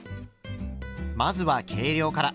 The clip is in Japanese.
まずは計量から。